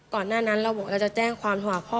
หน้านั้นเราบอกเราจะแจ้งความโทรหาพ่อ